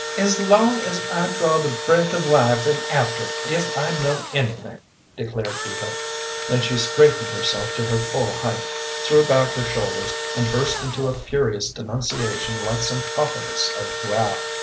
"As long as I draw the breath of life, and after, if I know anything," declared Eva. Then she straightened herself to her full height, threw back her shoulders, and burst into a furious denunciation like some prophetess of wrath.